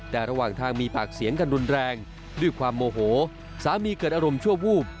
แต่ระหว่างทางมีปากเสียงกันรุนแรงด้วยความโมโหสามีเกิดอารมณ์ชั่ววูบ